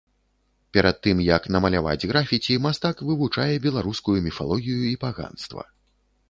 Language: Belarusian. Перад тым, як намаляваць графіці, мастак вывучае беларускую міфалогію і паганства.